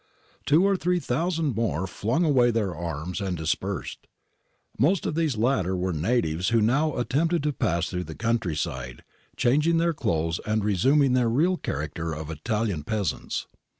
Two or three thousand more flung away their arms and dispersed. Most of these latter were natives who now attempted to pass through the country side, changing their clothes and resuming their real character of Italian peasants.